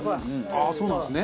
ああそうなんですね。